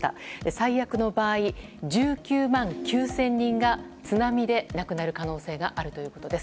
最悪の場合１９万９０００人が津波で亡くなる可能性があるということです。